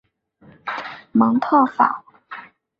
蒙特法。